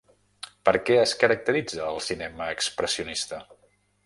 Per què es caracteritza el cinema expressionista?